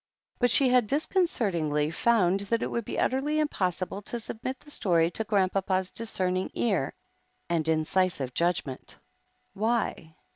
But she had disconcertingly found that it would be utterly impossible to submit the story to Grandpapa's discerning ear and incisive judgment. Why?